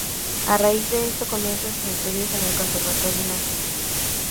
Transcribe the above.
A raíz de esto comienza sus estudios en el Conservatorio Nacional.